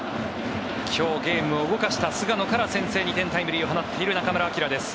今日、ゲームを動かした菅野から先制タイムリーを放っている中村晃です。